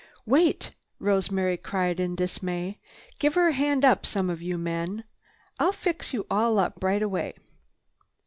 "Wait!" Rosemary cried in dismay. "Give her a hand up, some of you men. I'll fix you all up right away."